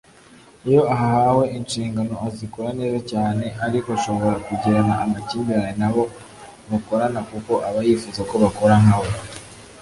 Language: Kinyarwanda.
Iyo ahahwe inshingano azikora neza cyane ariko ashobora kugirana amakimbirane nabo bakorana kuko aba yifuza ko bakora nkawe